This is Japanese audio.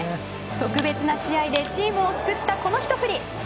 特別な試合でチームを救ったこのひと振り。